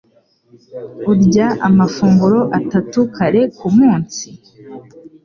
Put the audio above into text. Urya amafunguro atatu kare kumunsi?